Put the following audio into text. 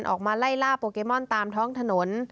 ออกมาไล่ล่าโปเกมอนตามท้องถนน